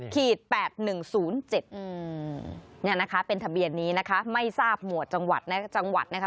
๘๑๐๗เนี่ยนะคะเป็นทะเบียนนี้นะคะไม่ทราบหมวดจังหวัดนะคะ